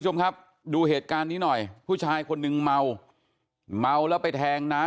คุณผู้ชมครับดูเหตุการณ์นี้หน่อยผู้ชายคนหนึ่งเมา